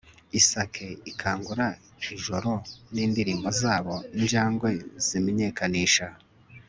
isake ikangura ijoro n'indirimbo zabo; injangwe zimenyekanisha